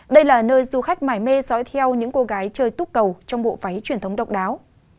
đây là nơi du khách mải mê sói theo những cô gái chơi tốt cầu trong bộ váy truyền thống độc đáo